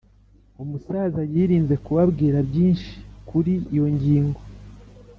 umusaza yirinze kubabwira byinshi kuri iyo ngingo.